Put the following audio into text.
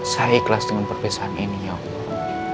saya ikhlas dengan perpesaan ini ya allah